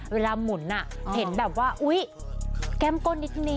เวลามุนเห็นแบบว่าอุ๊ยแก้มก้นนิด